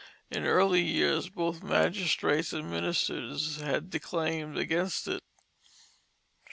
In early years both magistrates and ministers had declaimed against it.